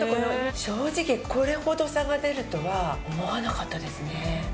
正直これほど差が出るとは思わなかったですね。